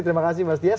terima kasih mas dias